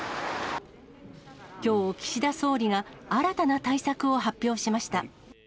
きょう、岸田総理が新たな対策を発表しました。